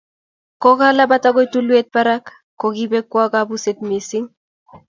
Kokalapat akoi tulweet barak, kokibekwo kapuset missing.